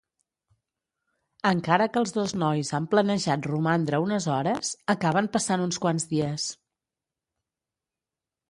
Encara que els dos nois han planejat romandre unes hores, acaben passant uns quants dies.